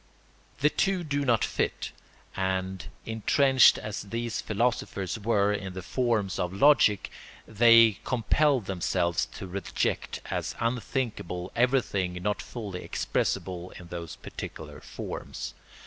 The two do not fit; and intrenched as these philosophers were in the forms of logic they compelled themselves to reject as unthinkable everything not fully expressible in those particular forms.